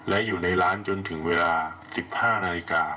และอยู่ในร้านจนถึงเวลา๑๕นาฬิกา